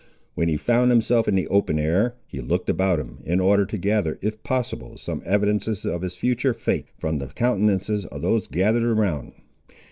When he found himself in the open air, he looked about him, in order to gather, if possible, some evidences of his future fate, from the countenances of those gathered round.